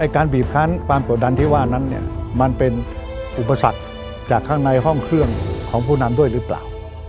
การบีบคันความกดดันที่ว่านั้นมันเป็นอุปสรรคจากข้างในห้องเครื่องของผู้นำด้วยหรือเปล่า